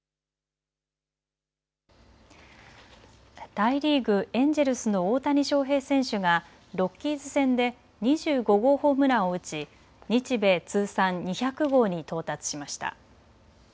大リーグ、エンジェルスの大谷翔平選手がロッキーズ戦で２５号ホームランを打ち日米通算２００号に到達しました。